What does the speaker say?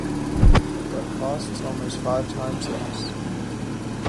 But costs almost five times less.